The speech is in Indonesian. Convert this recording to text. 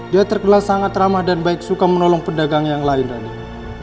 dia terkenal sangat ramah dan baik suka menolong pedagang yang lain rani